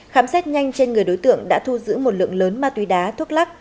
khám xét nhanh trên người đối tượng đã thu giữ một lượng lớn ma túy đá thuốc lắc